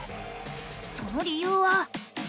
その理由は。